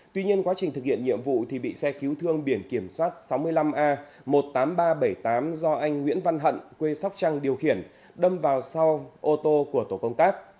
tuy nhiên quá trình thực hiện nhiệm vụ thì bị xe cứu thương biển kiểm soát sáu mươi năm a một mươi tám nghìn ba trăm bảy mươi tám do anh nguyễn văn hận quê sóc trăng điều khiển đâm vào sau ô tô của tổ công tác